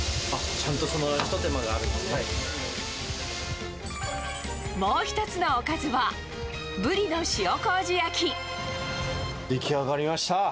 ちゃんとそのひと手間があるもう１つのおかずは、ブリの出来上がりました。